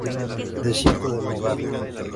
Desierto de Mojave.